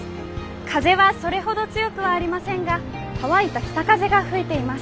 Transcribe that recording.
風はそれほど強くはありませんが乾いた北風が吹いています。